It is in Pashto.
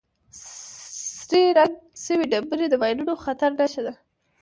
سرې رنګ شوې ډبرې د ماینونو د خطر نښه ده.